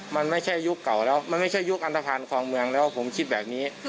มันไม่ใช่ยุคเก่าแล้วมันไม่ใช่ยุคอันตภัณฑ์คลองเมืองแล้วผมคิดแบบนี้